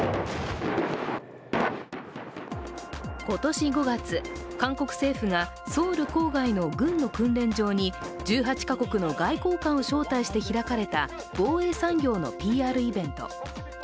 今年５月、韓国政府がソウル郊外の軍の訓練場に１８か国の外交官を招待して開かれた防衛産業のＰＲイベント。